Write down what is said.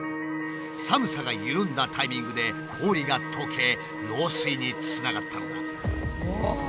寒さが緩んだタイミングで氷がとけ漏水につながったのだ。